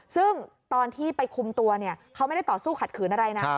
ซึ่งตอนที่ไปคุมตัวเขาไม่ได้ต่อสู้ขัดขืนอะไรนะ